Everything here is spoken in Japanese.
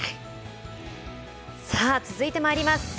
さあ続いてまいります。